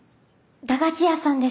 駄菓子屋さんです。